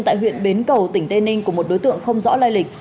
tại huyện bến cầu tỉnh tây ninh của một đối tượng không rõ lai lịch